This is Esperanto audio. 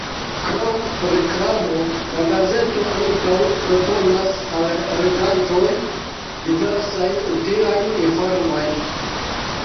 Krom reklamo, la gazeto ankaŭ proponas al legantoj diversajn utilajn informojn.